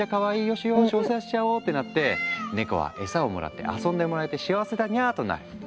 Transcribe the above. よしよしお世話しちゃおう」ってなってネコはエサをもらって遊んでもらえて幸せだにゃとなる。